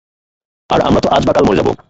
আর আমরাতো আজ বা কাল মরে যাব।